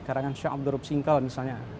karangan syah abdurrabsingkal misalnya